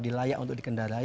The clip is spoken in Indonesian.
apa yang kamu akan jual